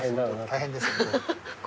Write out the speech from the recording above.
大変ですね。